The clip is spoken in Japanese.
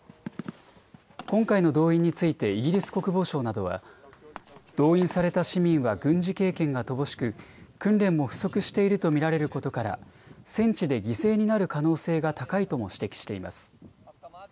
今回の動員についてイギリス国防省などは動員された市民は軍事経験が乏しく訓練も不足していると見られることから戦地で犠牲になる可能性が高いとも指摘しています。